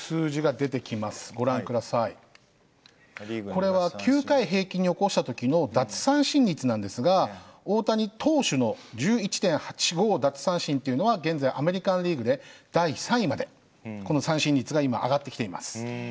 これは９回平均に起こした時の奪三振率なんですが大谷投手の１１．８５奪三振っていうのは現在アメリカンリーグで第３位までこの三振率が今上がってきています。